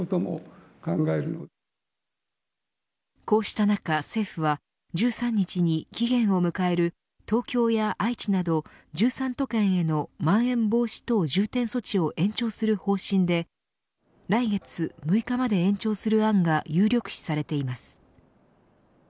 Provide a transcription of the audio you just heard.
こうした中、政府は１３日に期限を迎える東京や愛知など１３都県へのまん延防止等重点措置を延長する方針で来月６日まで延長する案が有力視されています。